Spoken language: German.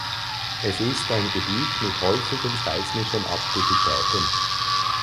Es ist ein Gebiet mit häufigen seismischen Aktivitäten.